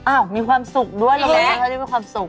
อ้าวมีความสุขด้วยเราก็ได้เรียกว่าความสุข